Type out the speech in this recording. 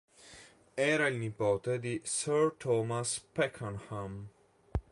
Era il nipote di Sir Thomas Pakenham.